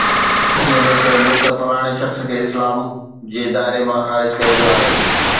ائين نه چئبو ته فلاڻي شخص کي اسلام جي دائري مان خارج ڪيو ويو آهي